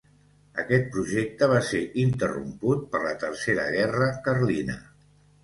Aquest projecte va ser interromput per la Tercera Guerra Carlina.